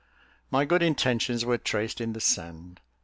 My good intentions were traced in the sand.